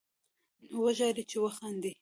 نو وژاړئ، چې وخاندئ